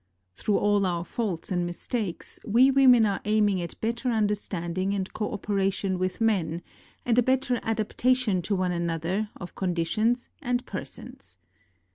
Through all our faults and mistakes, we women are aiming at better understanding and co operation with men, and a better adaptation to one another of conditions and persons.